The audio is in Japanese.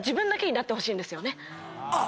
あっ！